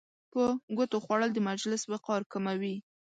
په ګوتو خوړل د مجلس وقار کموي.